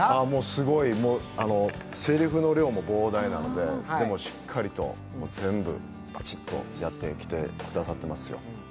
もう、すごいせりふの量も膨大なので、でもしっかりと全部バチッとやってきてくださっていますよ。